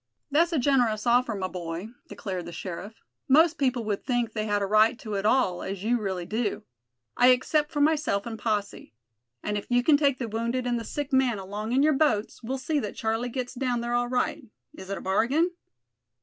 "That's a generous offer, my boy," declared the sheriff. "Most people would think they had a right to it all, as you really do. I accept for myself and posse. And if you can take the wounded and the sick man along in your boats, we'll see that Charlie gets down there all right. Is it a bargain?"